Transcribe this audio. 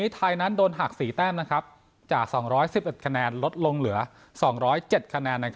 ไทยนั้นโดนหัก๔แต้มจาก๒๑๑คะแนนลดลงเหลือ๒๐๗คะแนน